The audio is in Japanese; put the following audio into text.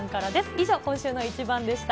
以上、今週のイチバンでした。